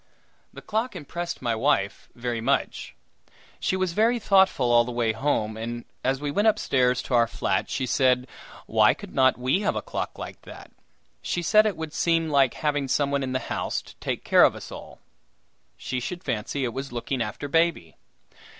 The clock impressed my wife very much. She was very thoughtful all the way home, and, as we went upstairs to our flat, she said, "Why could not we have a clock like that?" She said it would seem like having some one in the house to take care of us all she should fancy it was looking after baby!